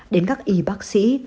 đến các y bác sĩ